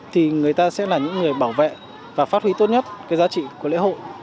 thì người ta sẽ là những người bảo vệ và phát huy tốt nhất cái giá trị của lễ hội